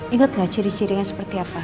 ingat gak ciri cirinya seperti apa